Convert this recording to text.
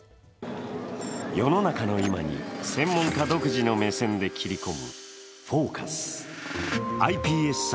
世の中の今に専門家独自の目線で切り込む「ＦＯＣＵＳ」。